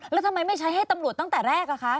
แล้วทำไมไม่ใช้ให้ตำรวจตั้งแต่แรกอะคะ